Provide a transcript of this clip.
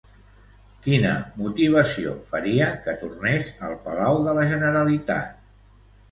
Quina motivació faria que tornés al Palau de la Generalitat?